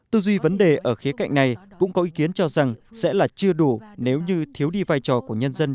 tư duy vấn đề ở khía cạnh này cũng có ý kiến cho rằng sẽ là chưa đủ nếu như thiếu đi vai trò của nhân dân